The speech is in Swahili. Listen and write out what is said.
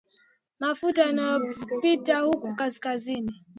mafuta inayopita huku kaskazini